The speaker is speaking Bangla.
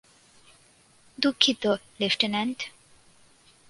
দুঃখিত, লেফটেন্যান্ট।